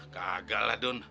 kagak lah dong